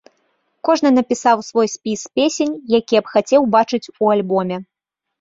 Кожны напісаў свой спіс песень, якія б хацеў бачыць у альбоме.